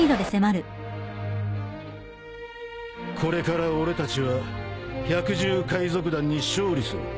これから俺たちは百獣海賊団に勝利する。